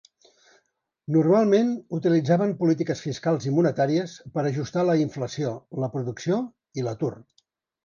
Normalment utilitzaven polítiques fiscals i monetàries per ajustar la inflació, la producció i l'atur.